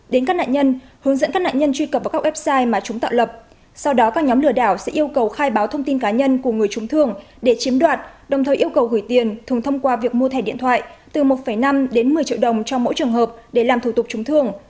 đến các nạn nhân hướng dẫn các nạn nhân truy cập vào các website mà chúng tạo lập sau đó các nhóm lừa đảo sẽ yêu cầu khai báo thông tin cá nhân của người trúng thường để chiếm đoạt đồng thời yêu cầu gửi tiền thường thông qua việc mua thẻ điện thoại từ một năm đến một mươi triệu đồng cho mỗi trường hợp để làm thủ tục trúng thường